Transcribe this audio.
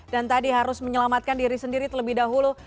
dan tadi harus menyelamatkan diri sendiri terlebih dahulu